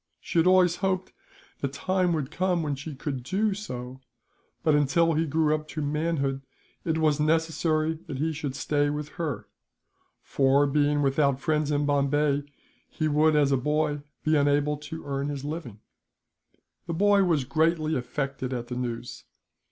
She had always hoped the time would come when she could do so but, until he grew up to manhood, it was necessary that he should stay with her; for, being without friends in Bombay he would, as a boy, be unable to earn his living. The boy was greatly affected at the news.